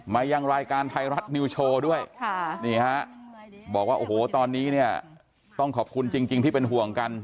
ไม่ยังรายการไทยรัฐนิวโชว์ด้วยบอกว่าตอนนี้ต้องขอบคุณจริงที่เป็นห่วงกัน